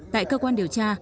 tại cơ quan điều tra